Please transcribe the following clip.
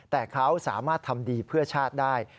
แต่เขาสามารถทำดีเพื่อชาติได้